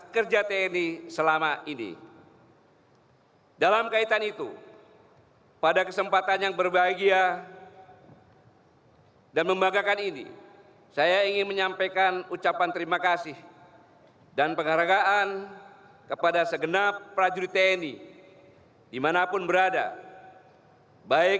keluarga prajurit dan asn tni